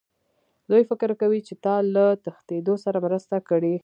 دوی فکر کوي چې تا له تښتېدلو سره مرسته کړې